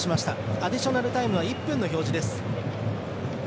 アディショナルタイムは１分の表示です。